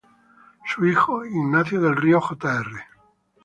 Su hijo, Ignacio del Río Jr.